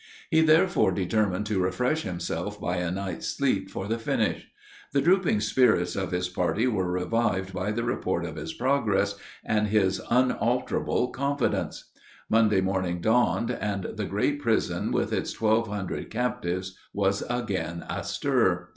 He therefore determined to refresh himself by a night's sleep for the finish. The drooping spirits of his party were revived by the report of his progress and his unalterable confidence. Monday morning dawned, and the great prison with its twelve hundred captives was again astir.